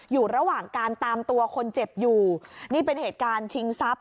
อยู่ระหว่างการตามตัวคนเจ็บอยู่นี่เป็นเหตุการณ์ชิงทรัพย